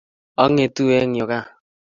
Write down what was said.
Angetu eng yuu gaa